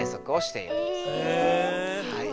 はい。